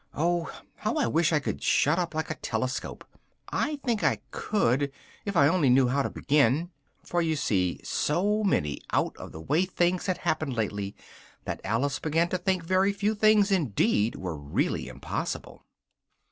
Oh, how I wish I could shut up like a telescope! I think I could, if I only knew how to begin." For, you see, so many out of the way things had happened lately, that Alice began to think very few things indeed were really impossible.